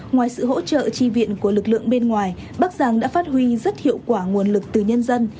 ngoài sự hỗ trợ chi viện của lực lượng bên ngoài bắc giang đã phát huy rất hiệu quả nguồn lực từ nhân dân